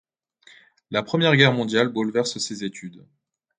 La Première Guerre mondiale bouleverse ses études.